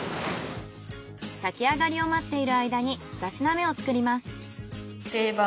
炊き上がりを待っている間にふた品目を作ります。